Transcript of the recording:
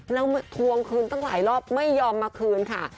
แล้วทวงคืนตั้งหลายรอบไม่ยอมมาคืนค่ะ